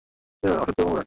সে অসৎ কর্মপরায়ণ।